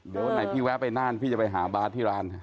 เดี๋ยววันไหนพี่แวะไปน่านพี่จะไปหาบาสที่ร้าน